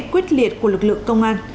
quyết liệt của lực lượng công an